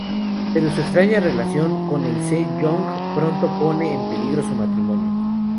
Pero su extraña relación con el Se Young pronto pone en peligro su matrimonio.